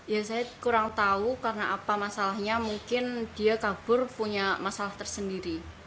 ya saya kurang tahu karena apa masalahnya mungkin dia kabur punya masalah tersendiri